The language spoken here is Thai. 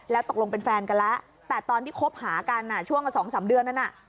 แล้วตกลงเป็นแฟนกันแล้วแต่ตอนที่คบหากันช่วงละ๒๓เดือนนั้นน่ะ